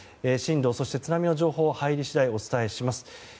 震度、そして津波の情報が入り次第お伝えします。